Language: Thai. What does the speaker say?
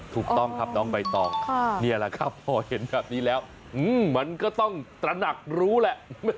ถูกต้องครับน้องใบตองนี่แหละครับพอเห็นแบบนี้แล้วมันก็ต้องตระหนักรู้แหละ